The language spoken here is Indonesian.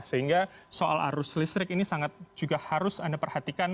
sehingga soal arus listrik ini sangat juga harus anda perhatikan